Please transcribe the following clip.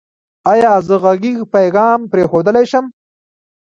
ایا زه غږیز پیغام پریښودلی شم؟